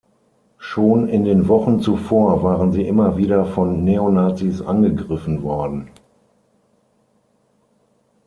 Schon in den Wochen zuvor waren sie immer wieder von Neonazis angegriffen worden.